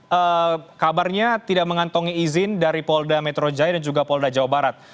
eee kabarnya tidak mengantongi izin dari polda metro jaya dan juga polda jawa barat